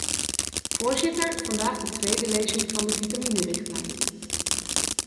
Voorzitter, vandaag de tweede lezing van de vitaminerichtlijn.